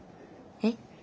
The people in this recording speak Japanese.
えっ？